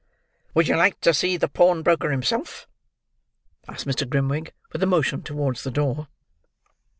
"Would you like to see the pawnbroker himself?" asked Mr. Grimwig with a motion towards the door.